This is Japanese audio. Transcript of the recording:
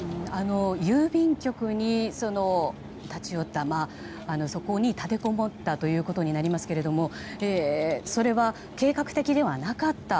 郵便局に立ち寄ったそこに立てこもったということになりますがそれは、計画的ではなかった。